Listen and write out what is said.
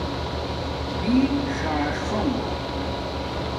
بِݽݽاݽونݣ